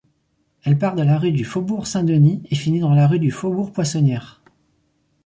Elle part de la rue du Faubourg-Saint-Denis et finit dans la rue du Faubourg-Poissonnière.